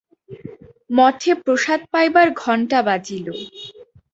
মঠে প্রসাদ পাইবার ঘণ্টা বাজিল।